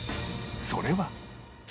それは